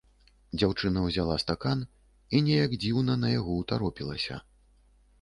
Дзяўчына ўзяла стакан і неяк дзіўна на яго ўтаропілася.